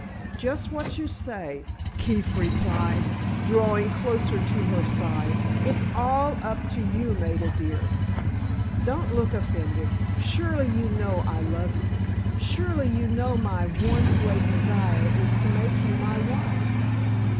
"Just what you say," Keefe replied, drawing closer to her side. "It's all up to you, Maida dear. Don't look offended; surely you know I love you—surely you know my one great desire is to make you my wife.